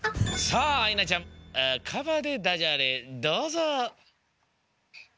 さああいなちゃん「カバ」でダジャレどうぞ。